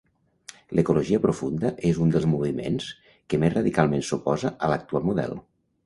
L'ecologia profunda és un dels moviments que més radicalment s'oposa a l'actual model.